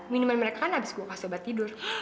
minuman mereka kan abis gua kasih obat tidur